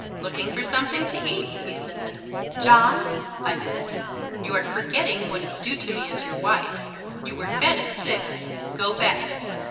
"Looking for something to eat," he said. "John," I said, "you are forgetting what is due to me as your wife. You were fed at six. Go back."